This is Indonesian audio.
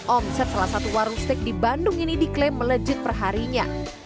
omset salah satu warung steak di bandung ini diklaim melejit perharinya